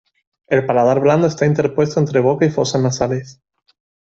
El paladar blando está interpuesto entre boca y fosas nasales.